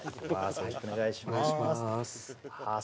よろしくお願いしまーすああ